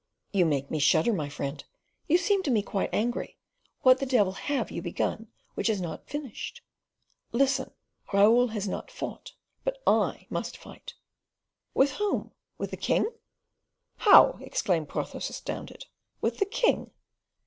"You make me shudder, my friend, you seem to me quite angry. What the devil have you begun which is not finished?" "Listen; Raoul has not fought, but I must fight!" "With whom? with the king?" "How!" exclaimed Porthos, astounded, "with the king?"